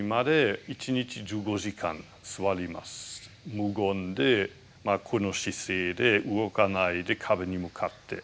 無言でこの姿勢で動かないで壁に向かって。